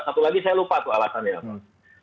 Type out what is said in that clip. satu lagi saya lupa tuh alasannya apa